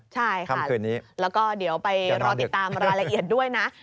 ใช่ค่ะคืนนี้แล้วก็เดี๋ยวไปรอติดตามรายละเอียดด้วยนะ